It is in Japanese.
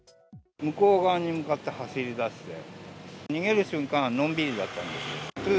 向こう側に向かって走りだして、逃げる瞬間はのんびりだったんですよ。